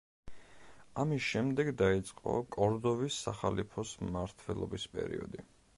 ამის შემდეგ დაიწყო კორდოვის სახალიფოს მმართველობის პერიოდი.